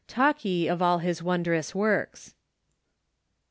" Talk ye of all his wondrous works."